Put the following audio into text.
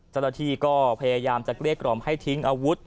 ศรษฐีก็พยายามจะเกลี่ยกรอบให้ทิ้งอาวุธ